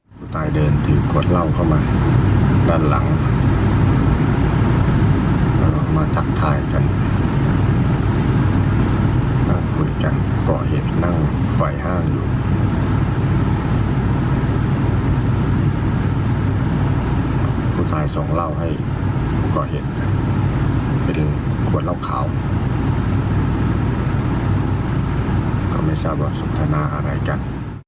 ไปดูก่อนเราเขาก็ไม่ทราบว่าสมธนาอะไรกัน